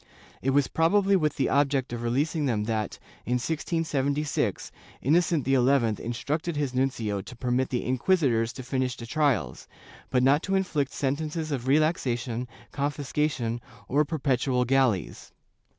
It was probably with the object of releasing them that, in 1676, Innocent XI instructed his nuncio to permit the inquisitors to finish the trials, but not to inflict sentences of relaxa tion, confiscation, or perpetual galleys.